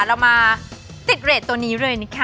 เรามาติดเรทตัวนี้เลยนะคะ